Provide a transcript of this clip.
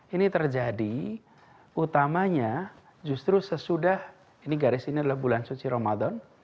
ini terjadi utamanya justru sesudah ini garis ini adalah bulan suci ramadan